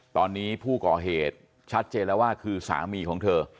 ตอนนี้ผู้ก่อเหตุชัดเจนแล้วว่าคือสามีของเธอ